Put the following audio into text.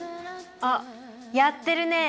あっやってるねえ。